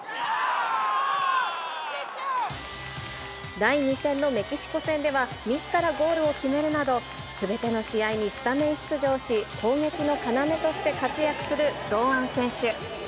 第２戦のメキシコ戦ではみずからゴールを決めるなど、すべての試合にスタメン出場し、攻撃の要として活躍する堂安選手。